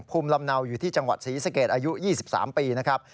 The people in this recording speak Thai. ภูมิลำเนาอยู่ที่จังหวัดศรีสเกตอายุ๒๓ปีนะครับ